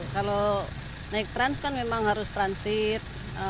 kalau naik trans kan memang harus transit